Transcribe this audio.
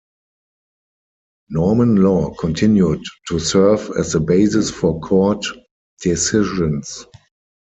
Norman law continued to serve as the basis for court decisions.